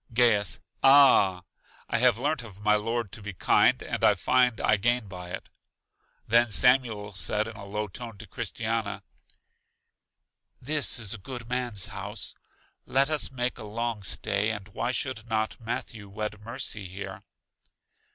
Gaius: Ah! I have learnt of my Lord to be kind, and I find I gain by it. Then Samuel said in a low tone to Christiana, This is a good man's house; let us make a long stay, and why should not Matthew wed Mercy here?